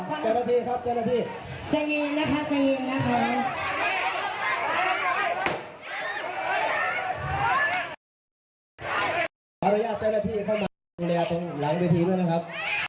พร้อมภารกิจแก่นาทีเข้ามาตรงหลังเวทีด้วยนะครับ